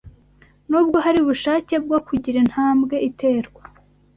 nubwo hari ubushake bwo kugira intambwe iterwa